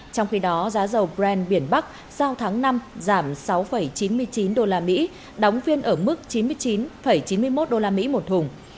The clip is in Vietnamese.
trong khi đó giá dầu brent biển bắc giao tháng năm giảm sáu chín mươi chín usd đóng viên ở mức chín mươi chín chín mươi một usd một thùng